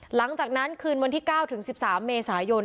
หลังจากนั้นคืนวันที่๙ถึง๑๓เมษายน